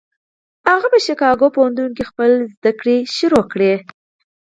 هغه په شيکاګو پوهنتون کې خپلې زدهکړې پيل کړې.